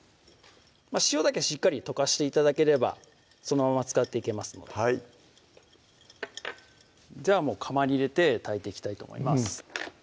塩だけしっかり溶かして頂ければそのまま使っていけますのでじゃあもう釜に入れて炊いていきたいと思います